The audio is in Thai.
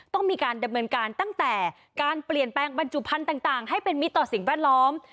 ต้องมีการดำเนินการตั้งแต่การเปลี่ยนแปลงบรรจุพันธุ์ต่างให้เป็นมิตรต่อสิ่งแวดล้อม